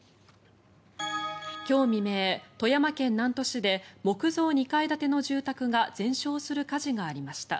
きょう未明、富山県南砺市で木造２階建ての住宅が全焼する火事がありました。